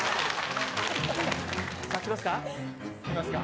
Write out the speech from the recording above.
さぁ来ますか。